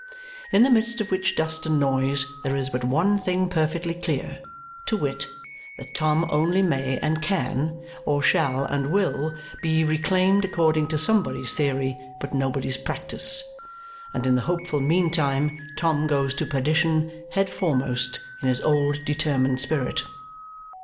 In the midst of which dust and noise there is but one thing perfectly clear, to wit, that Tom only may and can, or shall and will, be reclaimed according to somebody's theory but nobody's practice. And in the hopeful meantime, Tom goes to perdition head foremost in his old determined spirit.